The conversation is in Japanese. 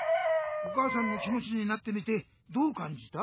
お母さんの気もちになってみてどうかんじた？